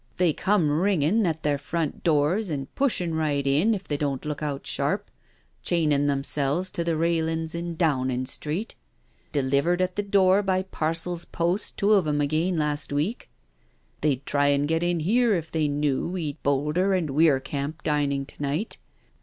They come ringin' at their front doors an' pushin' right in, if they don't look out sharp — chainin' themselves to the railin's in Downing Street — delivered at the door by parcels' post two of 'em again last week. They'd try an' get in here if they knew we'd Boulder and Weir Kemp dining to night.